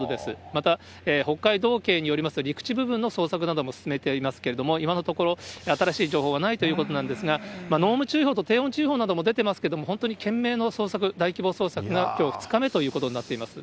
また、北海道警によりますと、陸地部分の捜索なども進めていますけれども、今のところ、新しい情報はないということなんですが、濃霧注意報と低温注意報なども出てますけども、本当に懸命の捜索、大規模捜索が、きょう２日目ということになってます。